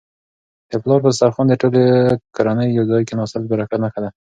د پلار په دسترخوان د ټولې کورنی یو ځای کيناستل د برکت نښه ده.